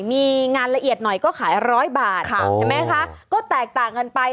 มีงานละเอียดหน่อยก็ขาย๑๐๐บาทเห็นไหมคะก็แตกต่างกันไป